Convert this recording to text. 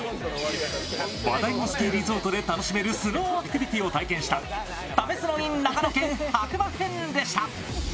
話題のスキーリゾートで楽しめるスノーアクティビティを体験した「ためスノｉｎ長野県白馬編」でした。